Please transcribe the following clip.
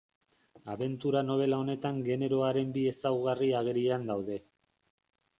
Abentura nobela honetan generoaren bi ezaugarri agerian daude.